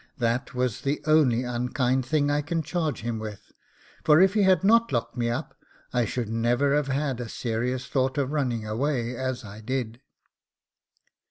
That was the only unkind thing I can charge him with; for if he had not locked me up, I should never have had a serious thought of running away as I did.